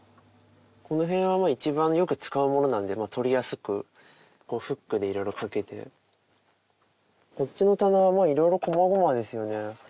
この辺は一番よく使うものなんで取りやすくフックでいろいろ掛けてこっちの棚はいろいろこまごまですよね